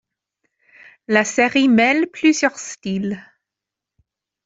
La série mêle plusieurs styles.